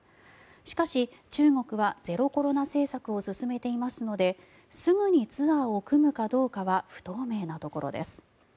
しかし、中国はゼロコロナ政策を進めていますのですぐにツアーを組むかどうかは不透明なところです。